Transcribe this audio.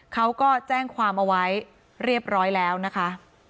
เขาก็แจ้งความเอาไว้เรียบร้อยแล้วนะคะ